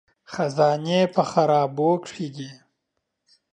خزانې په خرابو کې دي